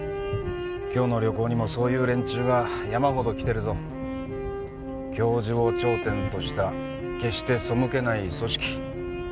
今日の旅行にもそういう連中が山ほど来てるぞ教授を頂点とした決して背けない組織